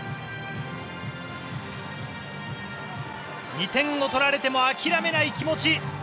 ２点を取られても諦めない気持ち。